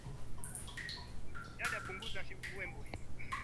ya uzalishaji wa vichafuzi vingi vilivyotajwa hapo juu